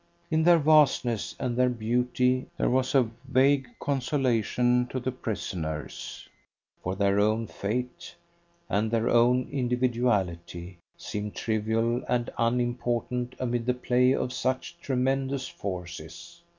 In their vastness and their beauty there was a vague consolation to the prisoners; for their own fate, and their own individuality, seemed trivial and unimportant amid the play of such tremendous forces.